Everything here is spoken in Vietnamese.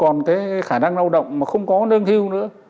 còn cái khả năng lao động mà không có nâng thiêu nữa